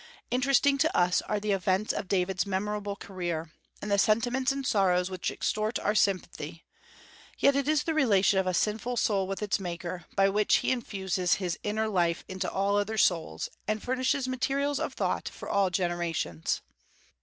Interesting to us as are the events of David's memorable career, and the sentiments and sorrows which extort our sympathy, yet it is the relation of a sinful soul with its Maker, by which he infuses his inner life into all other souls, and furnishes materials of thought for all generations.